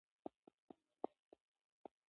بورا يو فعال فاعل او تسخيروونکى دى؛